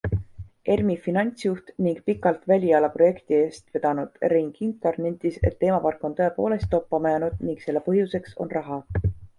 ERMi finantsjuht ning pikalt väliala projekti eest vedanud Rein Kinkar nentis, et teemapark on tõepoolest toppama jäänud ning selle põhjuseks on raha.